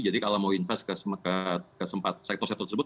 jadi kalau mau investasi ke sektor sektor tersebut